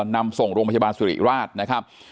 นำส่งโรงพยาบาลสุริราชนะครับ